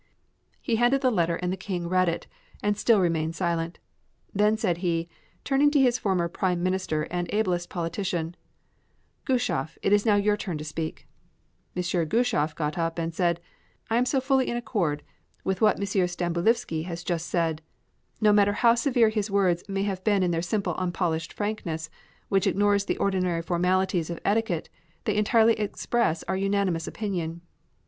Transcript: He handed the letter and the King read it and still remained silent. Then he said, turning to his former Prime Minister and ablest politician: "Gueshoff, it is now your turn to speak." M. Gueshoff got up and said: "I also am fully in accord with what M. Stambulivski has just said. No matter how severe his words may have been in their simple unpolished frankness, which ignores the ordinary formalities of etiquette, they entirely express our unanimous opinion.